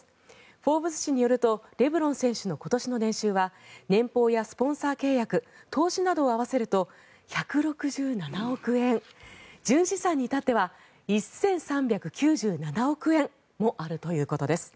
「フォーブス」誌によるとレブロン選手の今年の年収は年俸やスポンサー契約投資などを合わせると１６７億円純資産に至っては１３９７億円もあるということです。